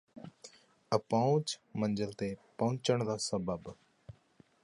ਅਪਹੁੰਚ ਮੰਜ਼ਲ ਤੇ ਪਹੁੰਚਣ ਦਾ ਸਬੱਬ